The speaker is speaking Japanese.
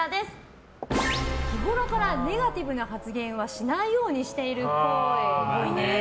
日ごろからネガティブな発言はしないようにしているっぽい。